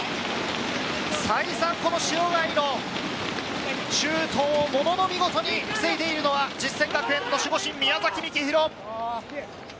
再三、この塩貝のシュートをものの見事に防いでいるのは実践学園の守護神・宮崎幹広。